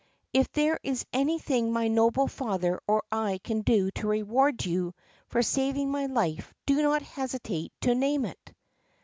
If there is anything my noble father or I can do to reward you for saving my life, do not hesitate to name it."